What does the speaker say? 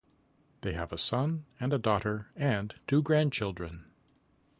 They have a son and a daughter and two grandchildren.